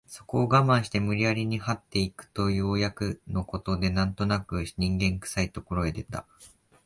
そこを我慢して無理やりに這って行くとようやくの事で何となく人間臭い所へ出た